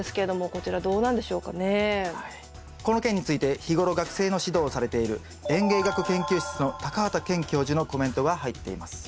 この件について日頃学生の指導をされている園芸学研究室の畑健教授のコメントが入っています。